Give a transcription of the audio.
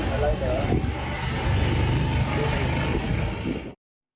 อะไรเหรอ